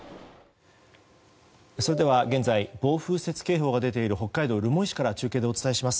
それでは、現在暴風雪警報が出ている北海道留萌市から中継でお伝えします。